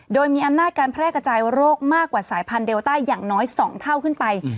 โดยมีอำนาจการแพร่กระจายโรคมากกว่าสายพันธุเดลต้าอย่างน้อย๒เท่าขึ้นไป